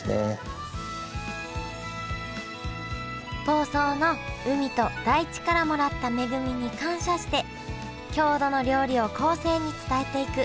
房総の海と大地からもらった恵みに感謝して郷土の料理を後世に伝えていく。